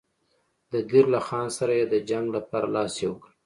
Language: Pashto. د دیر له خان سره یې د جنګ لپاره لاس یو کړ.